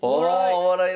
お笑い